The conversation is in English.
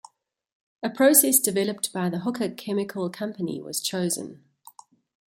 A process developed by the Hooker Chemical Company was chosen.